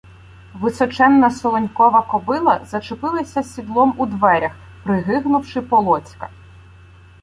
Височенна Солонькова кобила зачепилася сідлом у дверях, при гигнувши Полоцька.